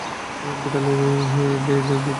বিড়ালের ভিডিয়ো নিয়ে!